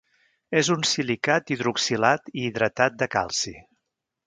És un silicat hidroxilat i hidratat de calci.